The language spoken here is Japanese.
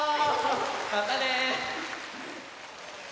またね！